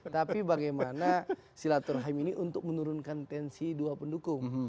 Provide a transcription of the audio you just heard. tapi bagaimana silaturahim ini untuk menurunkan tensi dua pendukung